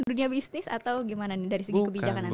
dunia bisnis atau gimana nih dari segi kebijakan anda